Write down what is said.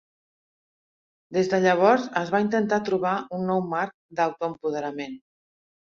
Des de llavors, es va intentar trobar un nou marc d'autoempoderament.